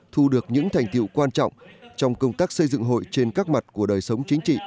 thu được những thành tiệu quan trọng trong công tác xây dựng hội trên các mặt của đời sống chính trị